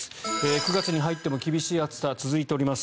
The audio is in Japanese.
９月に入っても厳しい暑さが続いております。